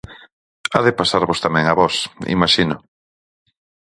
Ha de pasarvos tamén a vós, imaxino.